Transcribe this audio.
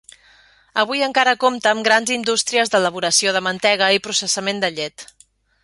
Avui, encara compta amb grans indústries d'elaboració de mantega i processament de llet.